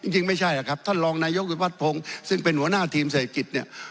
จริงไม่ใช่หรอกครับท่านรองนายกวิวัตรพงศ์ซึ่งเป็นหัวหน้าทีมเศรษฐกิจเนี่ย